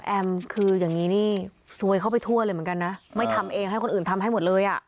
แอมคืออย่างนี้นี่ซวยเข้าไปทั่วเลยเหมือนกันนะไม่ทำเองให้คนอื่นทำให้หมดเลยอ่ะ